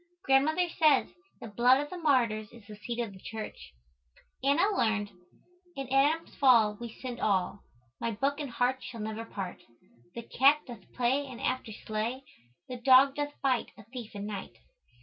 Grandmother says "the blood of the martyrs is the seed of the church." Anna learned "In Adam's fall we sinned all. My Book and heart shall never part. The Cat doth play and after slay. The Dog doth bite a thief at night."